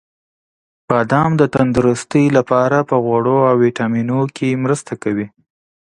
• بادام د تندرستۍ لپاره په غوړو او ویټامینونو کې مرسته کوي.